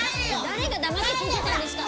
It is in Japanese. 誰が黙って聞いてたんですか！